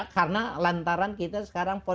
karena lantaran kita sekarang